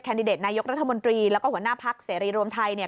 แคนดิเดตนายกรัฐมนตรีแล้วก็หัวหน้าภักดิ์เสรีรวมไทย